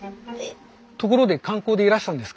ところで観光でいらしたんですか？